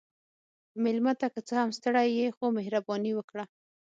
مېلمه ته که څه هم ستړی يې، خو مهرباني وکړه.